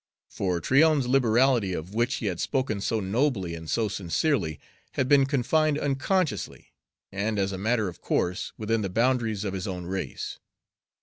For Tryon's liberality, of which he had spoken so nobly and so sincerely, had been confined unconsciously, and as a matter of course, within the boundaries of his own race.